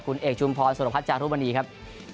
คุณเอกชุมพรสุรพัฒน์จารุมณีครับ